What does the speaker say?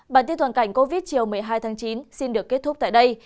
bản tin toàn cảnh covid một mươi chín chiều một mươi hai tháng chín xin được kết thúc tại đây